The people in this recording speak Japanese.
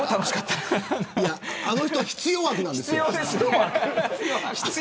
あの人、必要悪なんですよ。